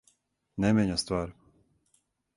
Не мења ствар.